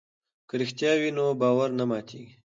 که رښتیا وي نو باور نه ماتیږي.